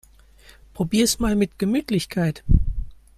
Probier's mal mit Gemütlichkeit!